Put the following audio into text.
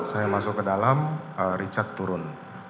saya masuk ke dalam richard turun